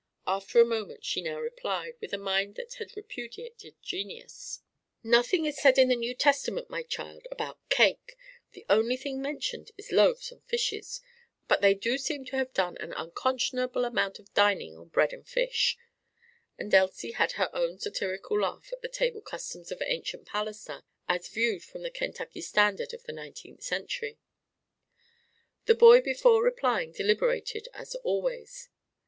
After a moment she now replied with a mind that had repudiated genius: "Nothing is said in the New Testament, my child, about cake. The only thing mentioned is loaves and fishes. But they do seem to have done an unconscionable amount of dining on bread and fish!" and Elsie had her own satirical laugh at the table customs of ancient Palestine as viewed from the Kentucky standard of the nineteenth century. The boy before replying deliberated as always.